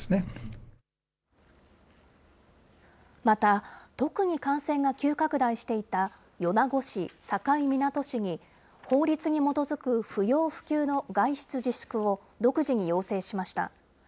また、特に感染が急拡大していた米子市、境港市に、法律に基づく不要不急の外出自粛を独自に要請しました。